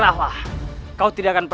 aku harus menolongnya